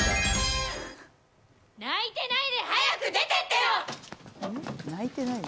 泣いてないで早く出て行ってよ！